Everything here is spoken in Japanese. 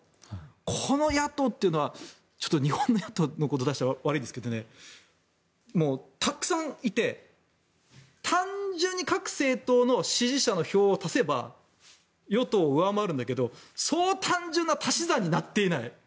この野党というのはちょっと日本の野党のことを出しちゃ悪いですけどもうたくさんいて単純に各政党の支持者の票を足せば与党を上回るんだけどそう単純な足し算になっていない。